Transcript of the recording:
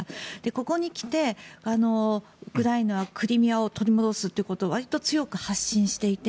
ここに来て、ウクライナはクリミアを取り戻すとわりと強く発信していて。